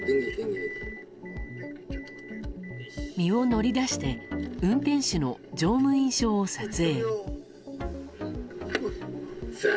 身を乗り出して運転手の乗務員証を撮影。